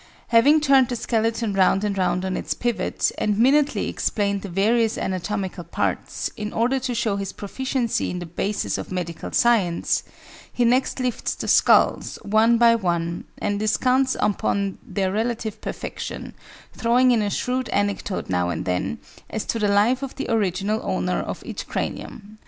Having turned the skeleton round and round on its pivot, and minutely explained the various anatomical parts, in order to show his proficiency in the basis of medical science, he next lifts the skulls, one by one, and descants upon their relative perfection, throwing in a shrewd anecdote now and then, as to the life of the original owner of each cranium.